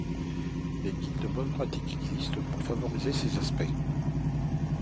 Des guides de bonnes pratiques existent pour favoriser ces aspects.